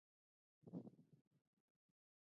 د شفافیت نشتون پانګوال ځوروي؟